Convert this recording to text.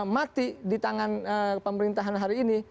mati di tangan pemerintahan hari ini